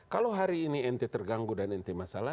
kalau hari ini ente terganggu dan ente masalah